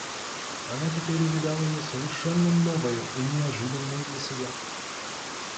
Она теперь увидала ее совершенно новою и неожиданною для себя.